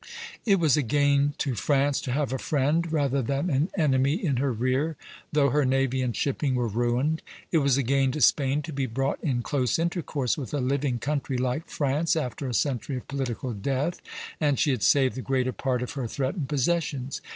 It was a gain to France to have a friend rather than an enemy in her rear, though her navy and shipping were ruined. It was a gain to Spain to be brought in close intercourse with a living country like France after a century of political death, and she had saved the greater part of her threatened possessions.